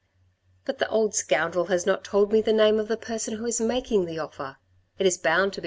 " But the old scoundrel has not told me the name of the person who is making the offer. It is bound to be M.